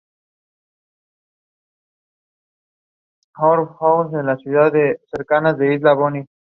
Los bulbos están cubiertos con frágiles túnicas.